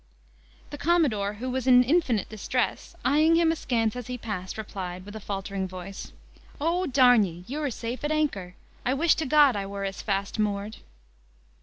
The commodore, who was in infinite distress, eyeing him askance as he passed, replied, with a faltering voice, "O, d ye! you are safe at an anchor. I wish to God I were as fast moored."